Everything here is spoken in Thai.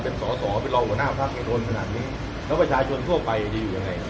เป็นสอสอเป็นรองหัวหน้าพักโดนขนาดนี้แล้วประชาชนทั่วไปจะอยู่ยังไง